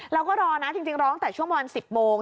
เราก็รอนะจริงรอตั้งแต่ช่วงวัน๑๐โมง